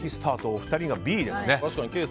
お二人がＢですね。